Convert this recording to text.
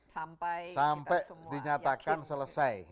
sampai dinyatakan selesai